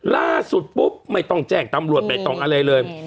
ล่าสุดปุ๊บไม่ต้องแจ้งตำรวจไม่ต้องอะไรเลย